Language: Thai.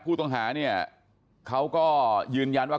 ผู้ต้องหาเนี่ยเขาก็ยืนยันว่า